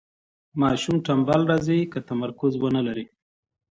ماشوم ټنبل راځي که تمرکز ونلري.